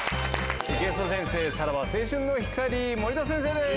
ゲスト先生さらば青春の光・森田先生です。